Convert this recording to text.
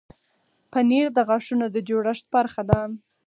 پنېر د غاښونو د جوړښت برخه ده.